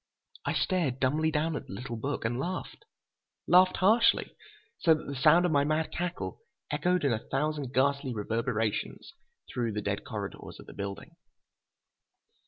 I stared dumbly down at the little book and laughed. Laughed harshly, so that the sound of my mad cackle echoed in a thousand ghastly reverberations through the dead corridors of the building.